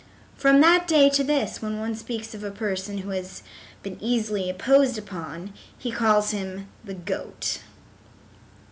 From that day to this when one speaks of a person who has been easily imposed upon he calls him "the goat."